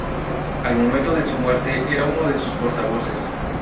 Al momento de su muerte era uno de sus portavoces.